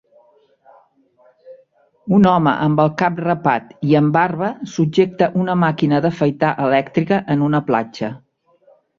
Un home amb el cap rapat i amb barba subjecta una màquina d'afaitar elèctrica en una platja.